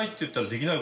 できない。